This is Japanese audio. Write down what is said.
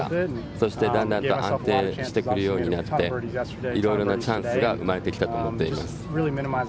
そして、だんだんと安定してくるようになっていろいろなチャンスが生まれてきたと思っています。